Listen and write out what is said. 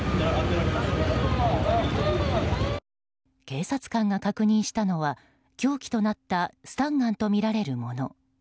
警察官が確認したのは凶器となったスタンガンとみられるもの。